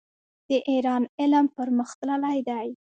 د ایران علم پرمختللی دی.